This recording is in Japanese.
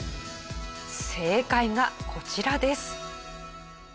正解がこちらです。